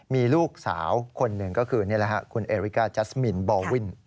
มีลูกสาวคนหนึ่งก็คือคุณเอริกาจัสมินบอลวิน